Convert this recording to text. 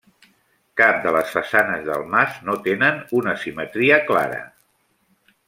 Cap de les façanes del mas no tenen una simetria clara.